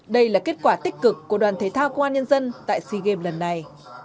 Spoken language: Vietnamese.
sao công an nhân dân tại sea games lần này